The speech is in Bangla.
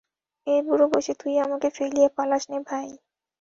এ বুড়া বয়সে তুই আমাকে ফেলিয়া পালাস নে ভাই!